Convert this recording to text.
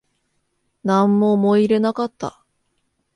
なんも思い入れなかった